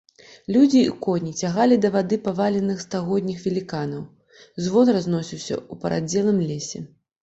Людзі і коні цягалі да вады паваленых стагодніх веліканаў, звон разносіўся ў парадзелым лесе.